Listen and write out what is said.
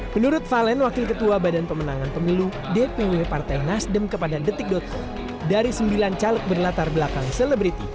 menurut valen wakil ketua badan pemenangan pemilu dpw partai nasdem kepada detik com dari sembilan caleg berlatar belakang selebriti